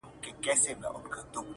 ددې سايه به پر تا خوره سي